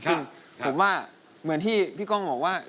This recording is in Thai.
ซึ่งผมว่าเหมือนที่พี่ก้องบอกว่า